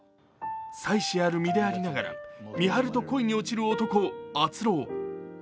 妻子ある身でありながら、みはると恋に落ちる男・篤郎。